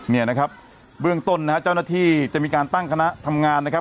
เนี่ยนะครับเบื้องต้นนะฮะเจ้าหน้าที่จะมีการตั้งคณะทำงานนะครับ